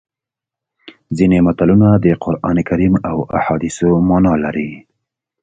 ځینې متلونه د قرانکریم او احادیثو مانا لري